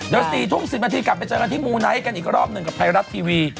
เดี๋ยว๔ทุ่ม๑๐นาทีกลับไปเจอกันที่มูไนท์กันอีกรอบหนึ่งกับไทยรัฐทีวี